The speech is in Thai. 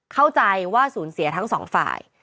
เข้าใจว่าศูนย์เสียทั้ง๒ฝ่าย